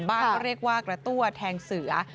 บ้านก็เรียกว่ากระตั่วแทงเสือ